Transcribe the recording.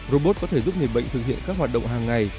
robot có thể giúp người bệnh thực hiện các hoạt động hàng ngày